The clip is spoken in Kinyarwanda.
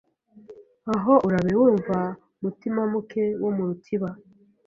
Aho urabe wumva Mutimamuke wo mu rutiba